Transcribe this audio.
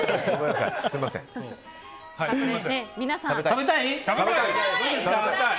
皆さん、食べたい？